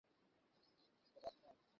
এটা জাদু নয়।